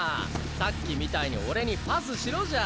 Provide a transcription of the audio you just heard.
さっきみたいに俺にパスしろじゃ！